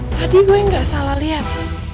tadi gue nggak salah lihat